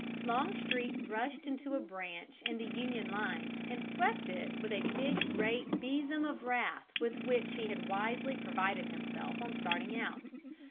Longstreet rushed into a breach in the Union line and swept it with a great big besom of wrath with which he had wisely provided himself on starting out.